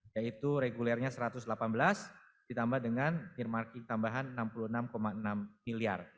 yaitu regulernya satu ratus delapan belas ditambah dengan nirmarking tambahan enam puluh enam enam miliar